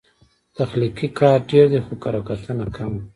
تخلیقي کار ډېر دی، خو کرهکتنه کمه